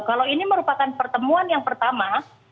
kalau ini merupakan pertemuan yang pertama